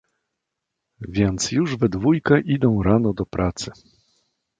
"Więc już we dwójkę idą rano do pracy."